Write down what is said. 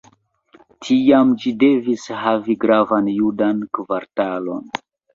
Tiam ĝi devis havi gravan judan kvartalon.